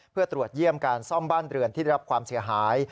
เพื่อตรวจเยี่ยมการซ่อมบ้านเรือนที่ได้รับความเสียหาย